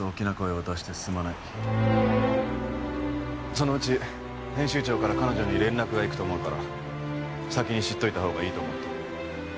そのうち編集長から彼女に連絡が行くと思うから先に知っておいたほうがいいと思って。